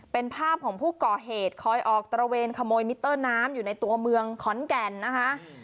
เป็นภาพของผู้ก่อเหตุคอยออกตระเวนขโมยมิเตอร์น้ำอยู่ในตัวเมืองขอนแก่นนะคะ